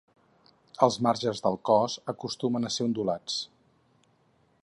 Els marges del cos acostumen a ser ondulats.